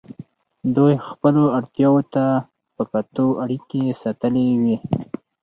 دوی خپلو اړتیاوو ته په کتو اړیکې ساتلې وې.